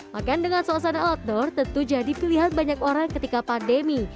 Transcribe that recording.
makan dengan suasana outdoor tentu jadi pilihan banyak orang ketika pandemi